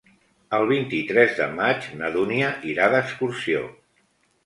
El vint-i-tres de maig na Dúnia irà d'excursió.